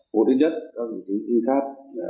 mũi thứ nhất là trinh sát